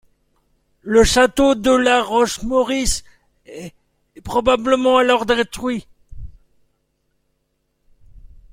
Le château de la Roche-Maurice est probablement alors détruit.